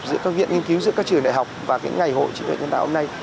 giữa các viện nghiên cứu giữa các trường đại học và ngày hội trí tuệ nhân tạo hôm nay